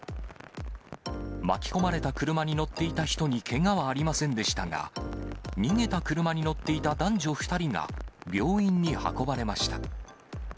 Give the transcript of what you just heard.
巻き込まれた車に乗っていた人にけがはありませんでしたが、逃げた車に乗っていた男女２人が病院に運ばれました。